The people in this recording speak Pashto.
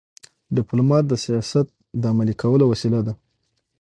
ډيپلومات د سیاست د عملي کولو وسیله ده.